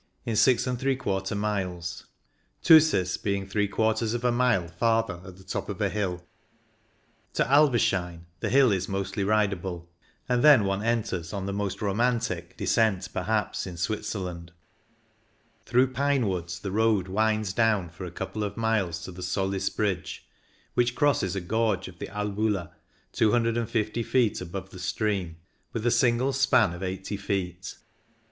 in 6f miles, Thusis being three quarters of a mile farther at the top of a hill. To Alvaschein the hill is mostly ridable, and then one enters on the most romantic 99 loo CYCLING IN THE ALPS descent perhaps in Switzerland. Through pine woods the road winds down for a couple of miles to the Solis Bridge, which crosses a gorge of the Albula, 250 feet above the stream, with a single span of 80 feet.